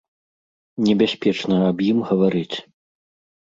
Небяспечна аб ім гаварыць.